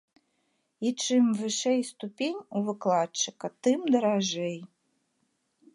І чым вышэй ступень у выкладчыка, тым даражэй.